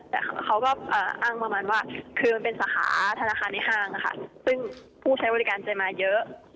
แต่เขาก็อ้างประมาณว่าคือมันเป็นสาขาธนาคารในห้างซึ่งผู้ใช้บริการจะมาเยอะ